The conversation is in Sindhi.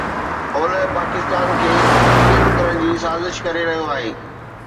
اولهه پاڪستان کي اڪيلو ڪرڻ جي سازش ڪري رهيو آهي